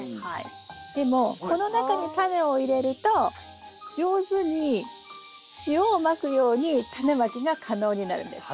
でもこの中にタネを入れると上手に塩をまくようにタネまきが可能になるんです。